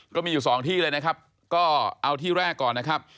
ก็มีอยู่สองที่เลยนะครับก็เอาที่แรกก่อนนะครับ